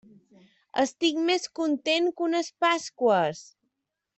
Estic més content que unes pasqües!